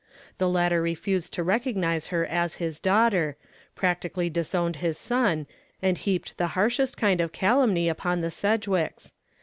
The latter refused to recognize her as his daughter, practically disowned his son, and heaped the harshest kind of calumny upon the Sedgwicks.